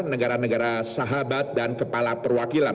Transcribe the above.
negara negara sahabat dan kepala perwakilan